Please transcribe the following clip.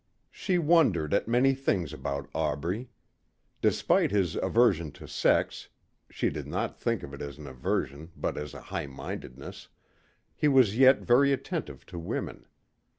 She wondered at many things about Aubrey. Despite his aversion to sex, (she did not think of it as an aversion but as a high mindedness,) he was yet very attentive to women.